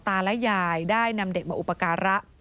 ตาและยายได้นำเด็กมาอุปการะ